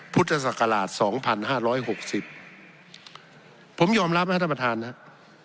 พุทธศักราช๒๕๖๐ผมยอมรับนะครับท่านประธานครับ